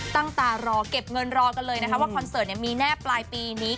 ตั้งตารอเก็บเงินรอกันเลยนะคะว่าคอนเสิร์ตมีแน่ปลายปีนี้